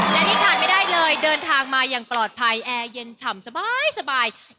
และที่ขาดไม่ได้เลยเดินทางมาอย่างปลอดภัยแอร์เย็นฉ่ำสบาย